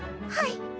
はい！